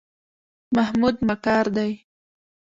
محمود مکار دی.